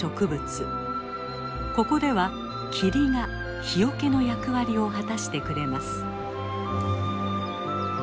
ここでは霧が日よけの役割を果たしてくれます。